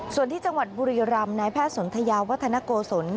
ส่วนที่จังหวัดบุรีรำนายแพทย์สนทยาวัฒนโกศล